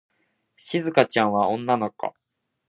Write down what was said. しずかちゃんは女の子。